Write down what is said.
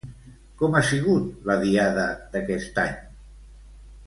Com ha sigut la diada d'aquest any?